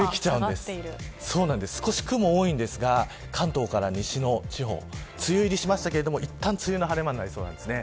雲が少し多いんですが関東から西の地方梅雨入りしましたけどいったん梅雨の晴れ間になりそうです。